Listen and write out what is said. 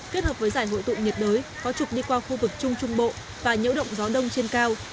kết hợp với giải hội tụ nhiệt đới có trục đi qua khu vực trung trung bộ và nhiễu động gió đông trên cao